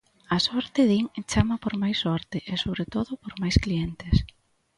A sorte, din, chama por máis sorte, e sobre todo por máis clientes.